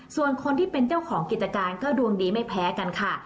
ส่วนคนที่เป็นเจ้าของกิจการก็ดวงดีไม่แพ้กันค่ะ